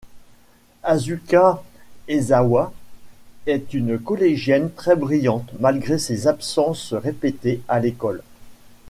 Asuka Aizawa est une collégienne très brillante malgré ses absences répétées à l'école.